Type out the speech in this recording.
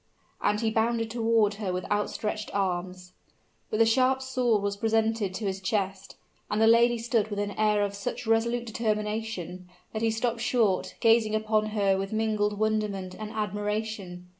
And he bounded toward her with outstretched arms. But the sharp sword was presented to his chest; and the lady stood with an air of such resolute determination, that he stopped short gazing upon her with mingled wonderment and admiration.